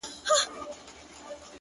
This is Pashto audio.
o د ښایستونو خدایه سر ټیټول تاته نه وه،